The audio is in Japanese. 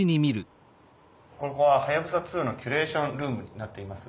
ここははやぶさ２のキュレーションルームになっています。